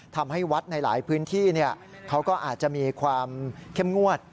ทำให้วัดในหลายพื้นที่เขาก็อาจจะมีความเข้มงวด